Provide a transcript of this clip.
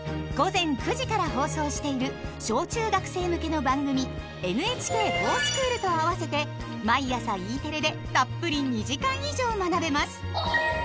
午前９時から放送している小・中学生向けの番組「ＮＨＫｆｏｒＳｃｈｏｏｌ」と合わせて毎朝Ｅテレでたっぷり２時間以上学べます。